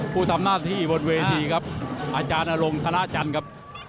ผู้ทำหน้าที่บนเวทีครับอาจารย์อลงธนาจันทร์ครับ